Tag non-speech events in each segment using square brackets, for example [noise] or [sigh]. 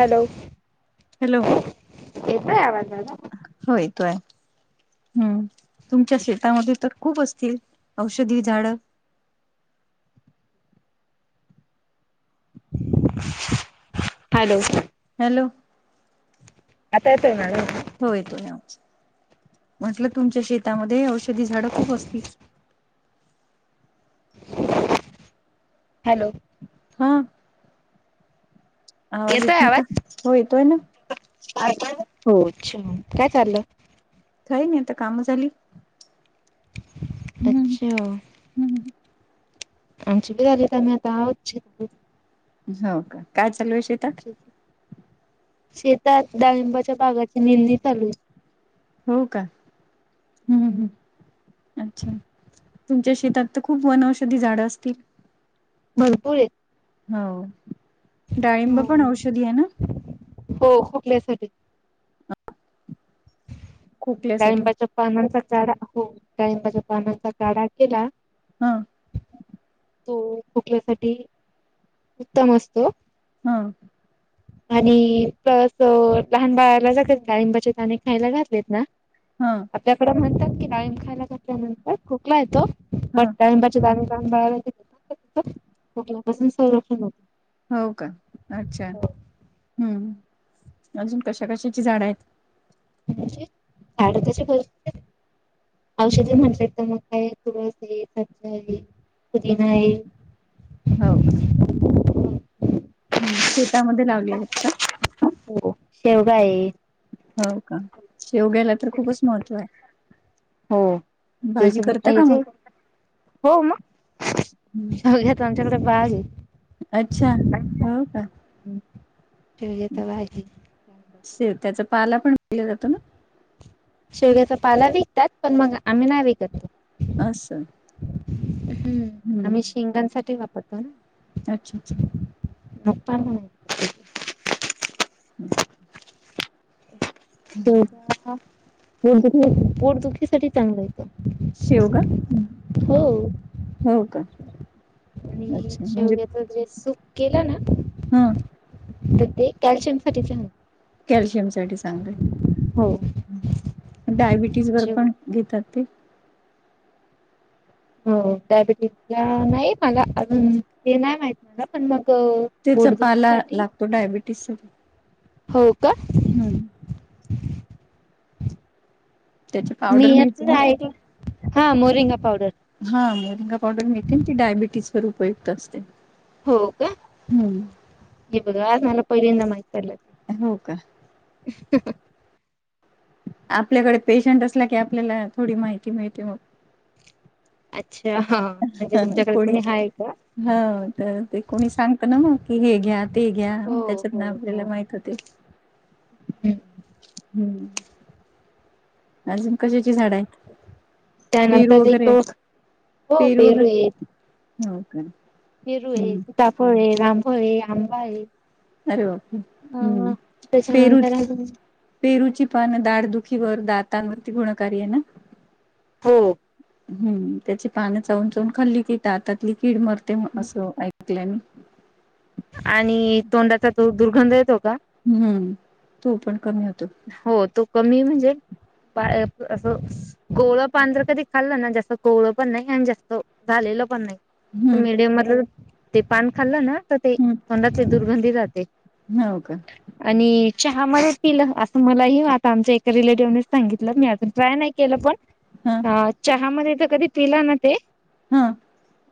Hello. Hello. येतोय आवाज आता? हो येतोय हम्म तुमच्या एक सेकंड शेतामध्ये तर खूप असतील? औषधी झाडं. हॅलो. हॅलो. आता येतो आहे मॅडम? हो येतोय आवाज, म्हटलं तुमच्या शेतामध्ये औषधी झाडं खूप असतील? हॅलो. हां. आवाज येत येतोय नाही का हो येतोय ना. हो अच्छा काय चाललं? काई नाही आता काम झाली. हम्म अच्छा. हम्म आमची बी झालीत कामे आता आहोत छ हो काय चालूय शेतात. शेतात डाळिंबाच्या बागाची निंदनी चालूय. हो का. हम्म. अच्छा तुमच्या शेतात त खूप वन औषधी झाडं असतील? भरपूर आहेत. हो डाळिंब पण औषधी आहे ना? हो खोकल्यासाठी. खोकल्यासाठी डाळिंबाच्या पानांचा काढा हो डाळिंबाच्या पानांचा काढा केला हा. तो खोकल्यासाठी उत्तम असतो. हम्म. आणि प्लस अ लहान बाळाला जर का डाळींबाचे दाणे खायला घातलेत ना हा. आपल्याकडे म्हणतात की डाळींब खायला घातल्यानंतर खोकला येतो हा बट डाळींबात [unintelligible] खोकला पासून संरक्षण होत. हो का अच्छा ह् अजून कशा कशाची झाडं आहेत? म्हणजे आड [unintelligible] औषधी म्हटल्यात तर मग काय तुळस आहे सबजा आहे पुदिना आहे. हो का. ह शेतामध्ये लावली आहेत का? हो शेवगा हाये. हो का शेवग्याला तर खूपच महत्त्व आहे. हो भाजी तेच पण करता का याचे मग हो मग हं. तो आमच्याकडे बाग हे. अच्छा हो का. हम्म [unintelligible] ठीक आहे त आहे. शेवग्याचा पाला पण विकल्या जातो ना. शेवग्याचा पाला विकतात पण मग आम्ही नाही विकत तो. अस. हम्म आम्ही शेंगानसाठी वापरतो ना. अच्छा अच्छा. आता नाय. [inaudible] तूर डाळ पोटदुखीसाठी चांगलं आहे. शेवगा हो का. आणि अच्छा म्हणजे शेवग्याच जे सूप. केला ना ह तर ते कॅल्शियम साठीच चांगल. कॅल्शियम साठी चांगलय. हो डायबिटीज वर शेव पण घेतात ते. हो डायबिटीज नाही मला अजून ते नाही माहित मला पण मग त्याचा पाला पोटदुखीसाठी लागतो डायबिटीस साठी हो का हम्... त्याची मी पावडर यांच मिळते ह ना ऐकल हा मोरिंगा पावडर. हा मोरिंगा पावडर मिळते ना ती डायबिटीज वर उपयुक्त असते. हो का हम्म हे बघा आज मला पहिल्यांदा माहित पडलं ते. हो का. [inaudible] आपल्याकडे पेशंट असला की आपल्याला थोडी माहिती मिळते मग. अच्छा हा. म्हणजे ह तुमच्याकडे कोणी? आहे का? ह तर ते कोणी सांगत ना मग की हे घ्या ते घ्या हो त्याच्यातन हो आपल्याला हो. माहित होत. ते हम्म अजून कशाची झाड आहेत? पेरू त्यानंतर एक वगैरे हो पेरू आहे वगैरे हो का. पेरू हे. हम्म सीताफळ हे रामफळ हे आंबा ये. अरे बापरे हम्म त्याच्यानंतर पेरूची... अजून पेरूची पानं दाढ दुखीवर दातांनवरती गुणकारी आहे. ना... हो.... हम्म त्याची पानं चावून चवून खाल्ली की दातातली कीड मरते असं ऐकलय मी, आणि तोंडाचा जो दुर्गंध येतो का हम्म् तो पण कमी होतो. हो तो कमी म्हणजे पाळ असं कोवळं पान जर कधी खाल्लं ना जास्त कोळं पण नाही आणि जास्त झालेलं पण नाही. हम्म मिडीयम मधल ते पान खाल्लं ना तर ते तोंडाची दुर्गंधी जाते. हव का? आणि चहामध्ये पिल अस मला ह्यो आता आमच्या एका रिलेटिव्हने सांगितलं, मी अजून ट्राय नाही केलं पण हा. आ चहामध्ये त कधी पिला ना ते हा.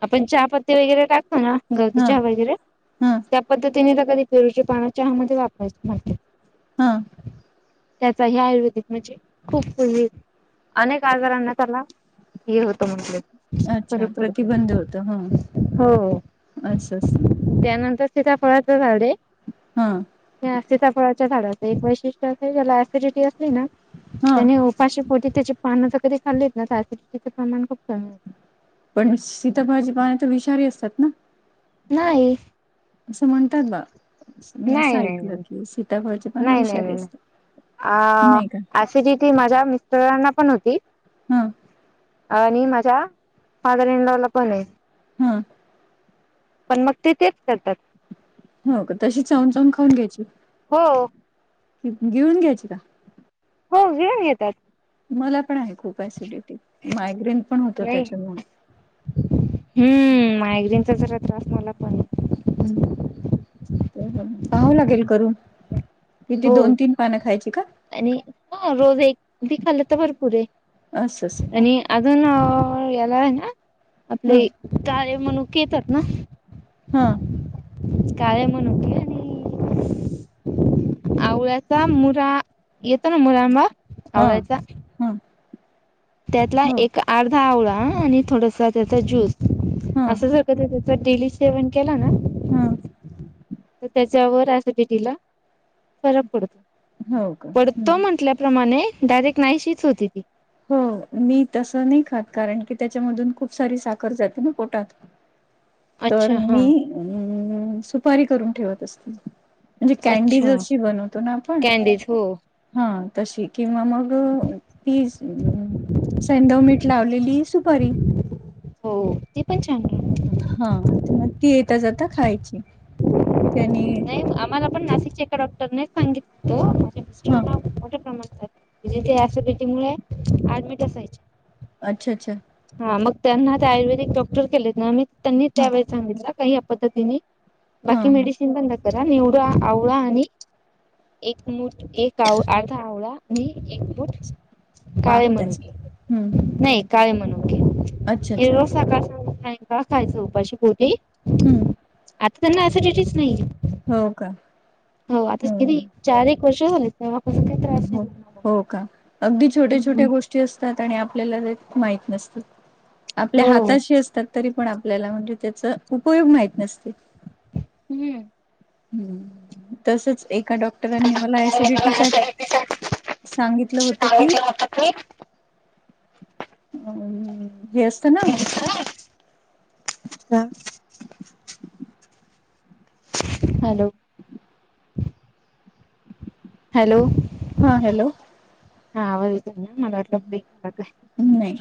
आपण चहापत्ती वगैरे टाकतो ना गवती हा चहा वगैरे हा त्या पद्धतीने तर कधी पेरूचे पान चहा मध्ये वापरायचे म्हटले. हा. त्याचा हा आयुर्वेदिक म्हणजे खूप ये अनेक आजारांना त्याला अच्छा पडत. प्रतिबंध हो हो.... अस असं. त्या नंतर सिताफळाचं झाड आहे. हम्म. त्या सिताफळचा झाडाच एक वैशिष्ट असय ज्याला ॲसिडिटी असली ना हा त्याने उपाशी पोटी त्याचे पानचं ज कधी तरी खाल्लीत ना तर ऍसिडिटीचे प्रमाण खूप कमी होतं. पण सिताफळा चे पान तर विषारी असतात ना. नाही. असं म्हणता बा. मी असं नाही नाही ऐकलं नाही की सीताफळाचे पण नाही नाही विषारी ' नाही का ती जी टीम माझ्या मिस्टरांना पण होती. हा आणि माझ्या फादर इनलॉला पण आहे. हम्म. पण मग ते तेच करतात. हो का तशी चावून चावून खाऊन घ्यायची हो गिळुन घ्यायची का? हो गिळून घेतात. मला पण आहे खूप ॲसिडिटी मायग्रेन पण होत नाही त्याच्यामुळे हम्म मायग्रेनचा जरा त्रास मला पण आहे. हम पाहाव लागेल करून किती हो दोन तीन पान खायाची का? आणि हो रोज एक बी खाल्लं तर भरपुर य असं असं आणि अजून अ याला आहे ना ह आपले काळे मनुके येतात ना हा. काळे मनुके आणि आवळ्याचा मुरा येतो ना मुरांबा हा हा. त्यातला एक अर्धा आवळा आणि थोडसा त्याचा ज्यूस ह असं जर कधी त्या त डेली सेवन केला ना. हा. त त्याच्या वर असं ऍसिडिटी ला. फरक पडतो हो का पडतो हम्म म्हटल्या प्रमाणे डायरेक्ट नाहीशीच होती ती.. हो मी तसं नाही खात कारण की त्याच्यामधून खूप सारी साखर जाते ना पोटात. तर अच्छा हा मी अ म सुपारी करून ठेवत असते. म्हणजे अच्छा कॅनडीज अशी बनवतो ना आपण. कॅनडीज हो हा तशी किंवा मग ती ज हम्म सेधव मीठ लावलेली सुपारी. हो ती पण छान हा तर मग ती येता जाता खायची त्यानी नाही आम्हाला पण नाशिकच्या एका डॉक्टरनेच सांगितो माझ्या मिस्टर हा मोठ्या प्रमाणात झाली म्हजे त्या ऍसिडिटी मुळे ऍडमिट असयची. अच्छा अच्छा हा मग त्यांना ते आयुर्वेदिक डॉक्टर केलेत ना आमी त्यांनी हा त्या वळेस सांगितलं काही पद्धतीने हा बाकी हा मेडिसिन बंद करा नि एवड आवळा आणि एक मुठ एक आव अर्धा आवळा आणि एक मुठ पाक काळे त्याचा मनुके हम्म हम्म नाय, काळे मनुके अच्छा हे अच्छा रोज सकाळ संध्याकाळ खायच उपाशीपोटी हम्म आता त्यांना सिडिटीच नाहीे हो का हो आता हम्म किती हम्म चार एक वर्ष झाले तेव्हा पासून. हो हो का अगदी छोट्या छोट्या हम्म. गोष्टी असतात, आणि आपल्याला ते माहित नसत आपल्या हो. हाताशी असतात. तरी पण आपल्याला म्हणजे त्याच उपयोग माहत नसते. हम्म. ह् तसच एका डॉक् क्टरांनी मला सिडिटी सांगितलं होत की, अम हे असत ना ह हॅलो ह [unintelligible] हॅलो हा हॅलो हा आवाज येतो ना मला वाटला ब्रेक झाला काय. नाही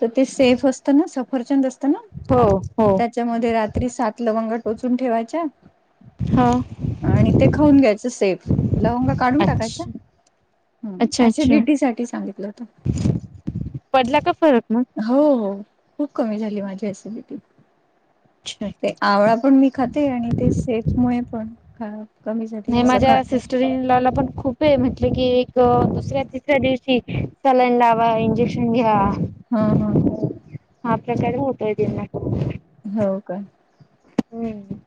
तर ते सेफ असत ना सफरचंद असत ना हो हो त्याच्यामध्ये रात्री सात लवंग टोचून ठेवायच्या हो. आणि ते खाऊन घ्यायचं सेफ लवंगा काढून टाकायच्या. अच्छा ह अच्छा अच्छा ऐसीडीटडी साठी सांगितलं होत. पडला का फरक मग. हो हो खूप कमी झाली माझी ऍसिडिटी. अच्छा ते ठीक आहे. आवळा पण मी खाते आणि ते सेफ मु पण खा मी माझ्या सिस् टेन ला ला पण खूप म्हटलं की एक दुसऱ्या तिसऱ्या दिवशी सलाईन लावा इंजे क्शन घ्या. हा हा आपल्या कड होतय ते नाय करून हो का हम्म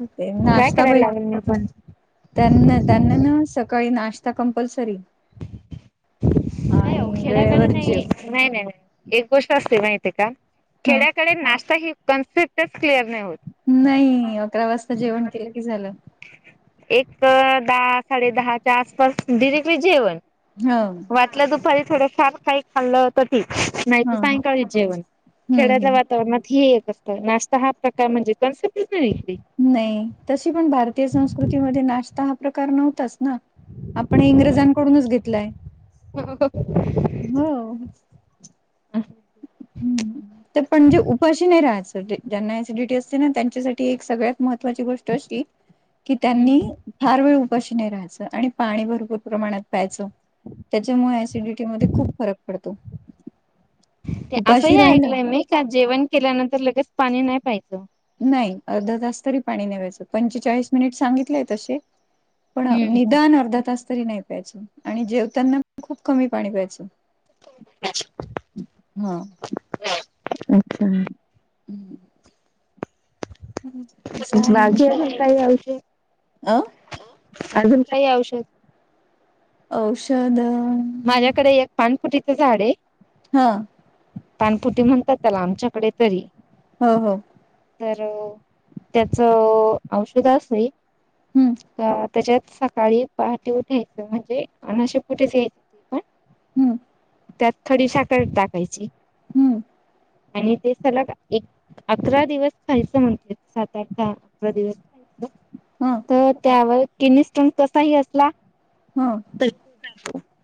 हुतंय काय नाश्ता करायला पाहि लागेल मी पण. त्यांना त्यांना नाही ना सकाळी नाश्ता कंपल्सरीय. नही आवो खेडयकड वेळेवर जेव नाही. नाही नाही नाही एक गोष्ट असते माहिती का ह खेड्याकडे नाश्ता ही कन्सेप्ट टच क्लिअर नाही होत. नाई अकरा वाजता जेवण केलं की झालं. एक दहा साडे दहाच्या आसपास डिरेक्टली जेवण. हो वाटलं दुपारी थोडं फार काय खाल्लं तं ठीक. नाही तर ह सायंकाळी जेवण हम्म खेड्यातलं हम् वातावरण ही एक अस त नाश्ता हा प्रकार म्हणजे कन्सेप्टच नाही ती. नाही तशी पण भारतीय संस्कृतीमध्ये नाश्ता हा प्रकार नव्हताच ना आपण इंग्रजांकडूनच घेतलाय. हो. हो! हूं! त पणजे उपाशी नाही राहायचं, ज्यांना एसिडिटी, असते नात्यांच्यासाठी एक सगळ्यात महत्त्वाची गोष्ट अशी. कि त्यांनी हम्म फार वेळ उपाशीने राहायचं, आणि पाणी भरपूर प्रमाणात प्यायचं. त्याच्यामुळे ऍसिडिटीमध्ये, खूप फरक पडतो. ते असंही उपाशी राहिला ऐकलंय मी, का जेवण केल्यानंतर लगेच पाणी नाही प्यायचं. नाही अर्धा तास, तरी पाणी नेवायचं पंचेचाळीस मिनिट सांगितलेय तसे. पण निदान अर्धा तास, तरी नाही प्यायचं आणि जेवताना पण खूप कमी पाणी प्यायचं. हा! [inaudible] हूं! ह असं आहे. काय आज [unintelligible] अ! अजून काही औषध? औषध? माझ्याकडे एक पान फुटीचं झाड हे. हं! पानपुटी, म्हणतात त्याला आमच्याकडे तरी. हो हो! तर त्याच औषध अस हे. हम्म त्याच्यात सकाळी पहाटी उठायचं, म्हणजे अनाश्या पोटी च घ्यायच ते पण. हूं! त्यात खडी साखर टाकायची, हम्म आणि ते सलग एक अकरा दिवस खायचं म्हणते सात, आठ, दहा, अकरा दिवस खायचं. हं! तर त्यावर किडनी स्टोन कसाही असला हं! [unintelligible]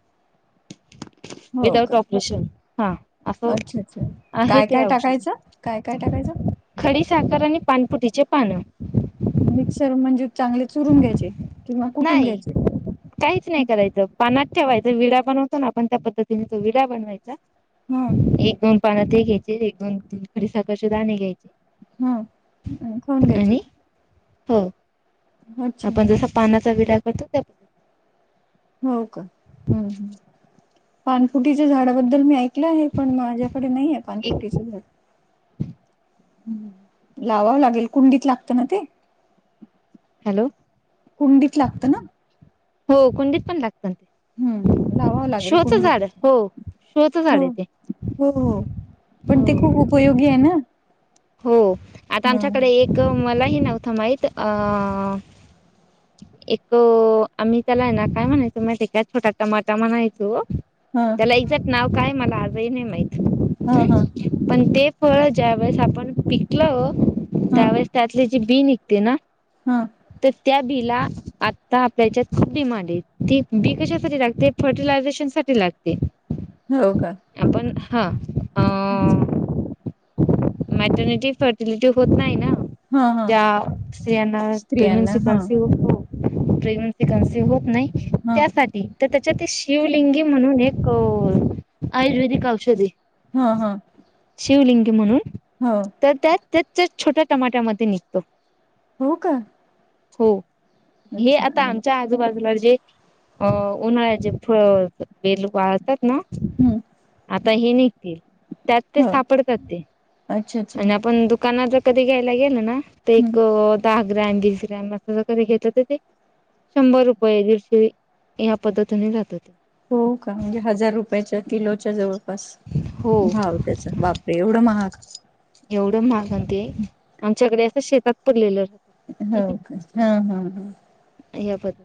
[inaudible] हो का विदाउट ऑपरेशन हा असं अच्छा, अच्छा आहे काय, ते काय औषध टाकायचं काय, काय टाकायचं. खडी साखर, आणि पानपुटीचे पानं. मिक्सर म्हणजे चांगले चुरून घ्यायचे, किंवा कुटुन नाही घ्यायचे. काहीच नाही करायचं, पानात ठेवायचं विडा बनवतो ना आपण, त्या पद्धतीने तो विडा बनवायचा. हा एक दोन पानं ते घेते, एक दोन खडी साखर चे दाणे घ्याय हं न खाऊन घ्यायचे. हो अच्छा आपण जसा पानाचा विडा करतो त्या हो का पानफुटीच्या झाडाबद्दल मी ऐक कलं आहे पण माझ्याकडे नही आहे एक पानफुटीच मिनिट झाड. लावावं लागेल कुंडीत लागतं ना ते? हॅलो कुंडीत लागत ना? हो कुंडीत पण लागत हम्म लावावं न, लागेल शो च कुंडीत झाड, हो शोचं हो झाड आहे ते. हो पण ते खूप हो उपयोगी आहे ना? हो आता ह आमच्याकडे एक, मलाही नव्हतं माहीत अ [inaudible] एक आम्ही त्याला हे ना काय म्हणायचो माहिती काय, छोटा टमाटा म्हणायचो. हं! त्याला एक्झॅक्ट, नाव काय मला आजही नाही माहित. हं हम्म हं! पण ते फळ, ज्या वेळेस आपण पिकल ह त्यावेळेस त्यातली जी बी निघते ना ह ते त्या बी ला आता आपल्या येच्यात खूप डिमांड आहे ती बी कशासाठी लागते फर्टिलायझेशन साठी लाग ते. हो का. आपण हां. अच्छ. [inaudible] मेटर्निटी फर्टिलिटी होत नाई ना? हा हा ज्या स्त्रीयांना स्त्रियांना प्रेग्ननसी हा कानसिव होतो. प्रेग्नन्सी कन्सिव होत नाही हा त्यासाठी त त्याच्याते शिवलिंगी म्हणून एक अ आयुर्वेदिक औषधये. हां हा. शिवलिंगी म्हणून? हो. तर त्यात त्याच त्या छोट्या टमाट्यामध्ये निघतो. हो का? हो हे अच्छा आता आणि आमच्या आजूबाजूला जे अ उन्हाळ्याचे फळ बेलू वाळतात ना हम्म आता हे नई ते त्यात ते हो सापडतात ते अच्छा अच्छा आणि आपण दुकानात ज कधी घ्यायला गेल ना तर हम्म एक दहा ग्रॅम वीस ग्रॅम घेत ते शंभर रुपये दीडशे या पद्धतीने जातात. हो का म्हणजे हजार रुपयाच्या किलोच्या जवळ पास हो भाव त्याच बापरे एवढं महाग? एवढं महाग अन ते आमच्याकडे असं शेतात पडलेलं राहतं. होव का हां हां हा. ह्या पद्ध